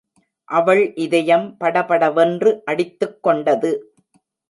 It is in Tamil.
அவள் இதயம் படபடவென்று அடித்துக்கொண்டது.